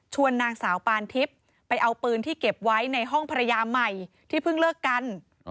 นางสาวปานทิพย์ไปเอาปืนที่เก็บไว้ในห้องภรรยาใหม่ที่เพิ่งเลิกกัน